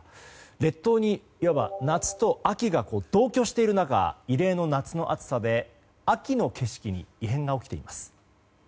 列島に、いわば夏と秋が同居している中異例の夏の暑さで秋の景色に異変が起きています。